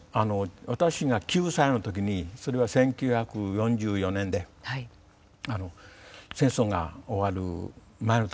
私が９歳のときにそれは１９４４年で戦争が終わる前の年でした。